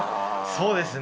そうですね。